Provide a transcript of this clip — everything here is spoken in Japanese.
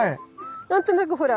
何となくほら